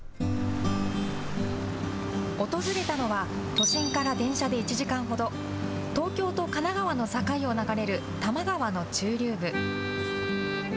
訪れたのは都心から電車で１時間ほど、東京と神奈川の境を流れる多摩川の中流部。